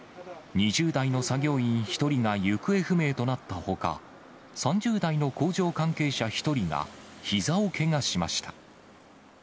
２０代の作業員１人が行方不明となったほか、３０代の工場関係者１人がひざをけがしました。